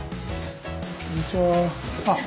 こんにちは。